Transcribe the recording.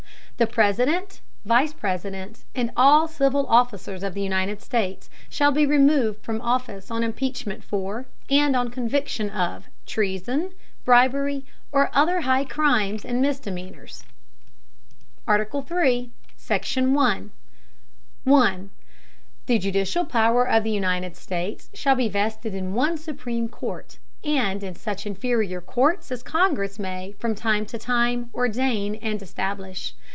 The President, Vice President and all civil Officers of the United States, shall be removed from Office on Impeachment for, and Conviction of, Treason, Bribery, or other high Crimes and Misdemeanors. ARTICLE III. SECTION. 1. The judicial Power of the United States, shall be vested in one supreme Court, and in such inferior Courts as the Congress may from time to time ordain and establish.